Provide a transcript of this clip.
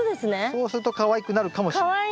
そうするとかわいくなるかもしれない。